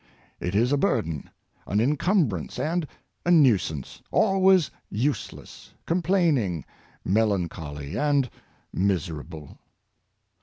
It is a burden, an incumbrance, and a nuisance — always useless, com plaining, melancholy, and miserable.